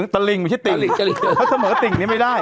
ตะลิงมันชื่อติ่งเพราะเสมอติ่งนี้ไม่ได้